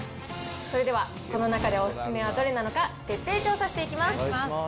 それでは、この中でお勧めはどれなのか、徹底調査していきます。